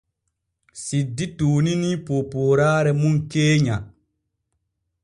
Siddi tuuninii poopooraare mum keenya.